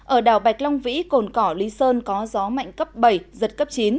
ở đảo bạch long vĩ cồn cỏ lý sơn có gió mạnh cấp bảy giật cấp chín